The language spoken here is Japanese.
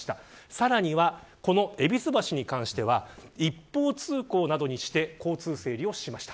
さらに戎橋に関しては一方通行などにして交通整理をしました。